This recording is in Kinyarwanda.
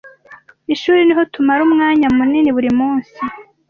Ishuri niho tumara umwanya munini buri munsi.